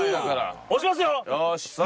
押しますよ。